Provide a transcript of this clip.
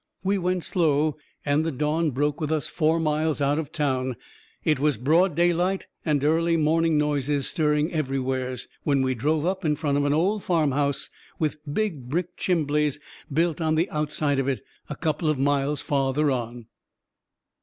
We went slow, and the dawn broke with us four miles out of town. It was broad daylight, and early morning noises stirring everywheres, when we drove up in front of an old farmhouse, with big brick chimbleys built on the outside of it, a couple of miles farther on.